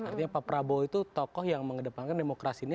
artinya pak prabowo itu tokoh yang mengedepankan demokrasi ini